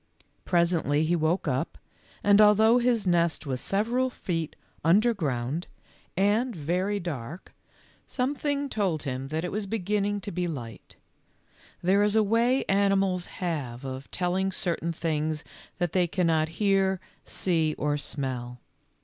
Presently he woke up, and although his nest was several feet under ground and very dark, 33 34 THE LITTLE FORESTERS. something told him that it was beginning to be light. There is a way animals have of telling certain things that they cannot hear, see, or smell.